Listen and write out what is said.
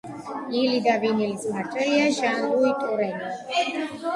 ილი და ვილენის მმართველია ჟან-ლუი ტურენი.